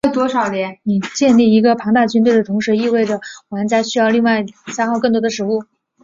你建立一个庞大军队的同时意味着玩家需要另外消耗更多的食物。